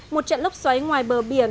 một trận lốc xoáy ngoài bờ biển